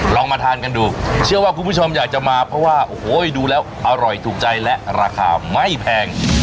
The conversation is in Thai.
ลองมาทานกันดูเชื่อว่าคุณผู้ชมอยากจะมาเพราะว่าโอ้โหดูแล้วอร่อยถูกใจและราคาไม่แพง